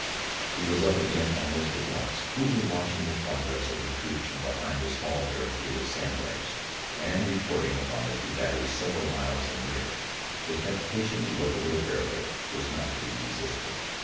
He was up again almost at once, coolly watching the progress of the troops from behind a small barricade of sandbags, and reporting upon it to batteries several miles in rear. The temptation to look over the parapet was not to be resisted.